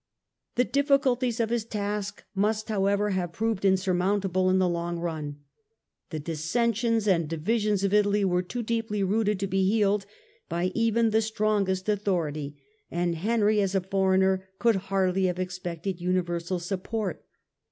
The difficulties of his task must, however, have proved insurmountable in the long run. The dis sensions and divisions of Italy were too deeply rooted to be healed by even the strongest authority, and Henry as a foreigner could hardly have expected universal support.